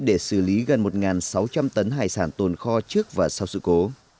để xử lý gần một sáu trăm linh tấn hải sản tồn kho trước và sau sự cố